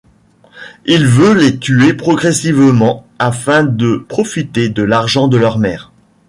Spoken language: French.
Il veut les tuer progressivement afin de profiter de l'argent de leur mère.